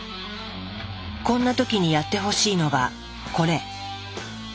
こんな時にやってほしいのがこれ。